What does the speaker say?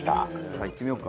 さあ、いってみようか。